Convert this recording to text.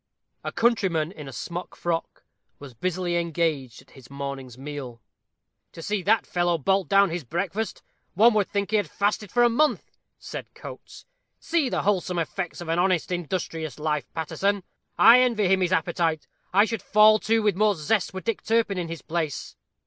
A countryman, in a smock frock, was busily engaged at his morning's meal. "To see that fellow bolt down his breakfast, one would think he had fasted for a month," said Coates; "see the wholesome effects of an honest, industrious life, Paterson. I envy him his appetite I should fall to with more zest were Dick Turpin in his place."